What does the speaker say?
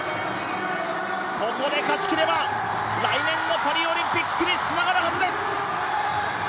ここで勝ちきれば来年のパリオリンピックにつながるはずです。